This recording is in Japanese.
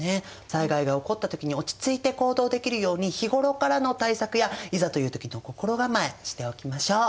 災害が起こった時に落ち着いて行動できるように日頃からの対策やいざという時の心構えしておきましょう。